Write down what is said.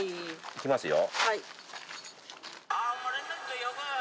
いきますよ。